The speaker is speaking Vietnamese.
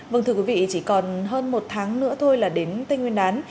vâng thưa quý vị chỉ còn hơn một tháng nữa thôi là đến tây nguyên đán